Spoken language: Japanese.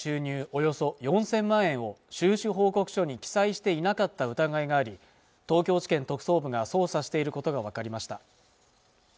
およそ４０００万円を収支報告書に記載していなかった疑いがあり東京地検特捜部が捜査していることが分かりました